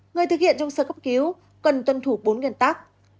người thực hiện trong sơ cấp cứu cần tuân thủ bốn nguyên tắc